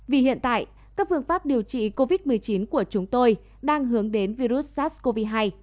vì hiện tại các phương pháp điều trị covid một mươi chín của chúng tôi đang hướng đến virus sars cov hai